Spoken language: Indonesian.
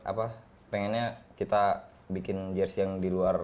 sampai jumpa nico